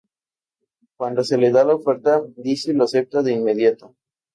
Cuando se le da la oferta, Dizzy lo acepta de inmediato.